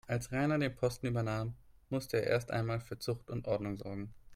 Als Rainer den Posten übernahm, musste er erst einmal für Zucht und Ordnung sorgen.